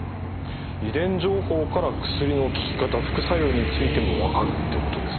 遺伝情報から薬の効き方副作用についても分かるっていうことですね。